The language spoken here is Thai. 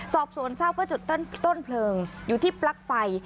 สอบโซนเศร้าเพื่อจุดต้นเพลิงอยู่ที่ปลั๊กไฟ